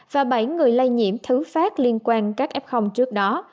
và bảy người lây nhiễm thứ phát liên quan các f trước đó